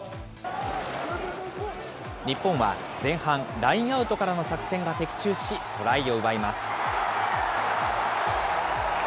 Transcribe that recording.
日本は、前半ラインアウトからの作戦が的中し、トライを奪います。